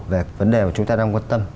về vấn đề mà chúng ta đang quan tâm